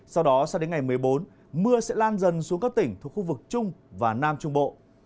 sau đó sang đến ngày một mươi bốn mưa sẽ lan dần xuống các tỉnh thuộc khu vực trung và nam trung bộ